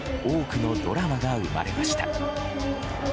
多くのドラマが生まれました。